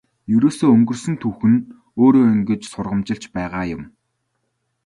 Ерөөсөө өнгөрсөн түүх нь өөрөө ингэж сургамжилж байгаа юм.